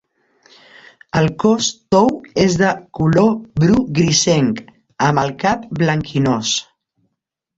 El cos tou és de color bru grisenc, amb el cap blanquinós.